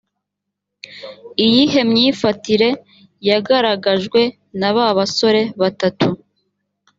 iyihe myifatire yagaragajwe na ba basore batatu